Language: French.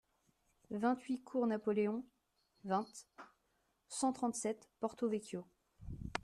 vingt-huit cours Napoléon, vingt, cent trente-sept, Porto-Vecchio